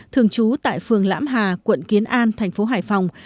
thường trú tại phường lãm hà quận kiến an thành phố hải phòng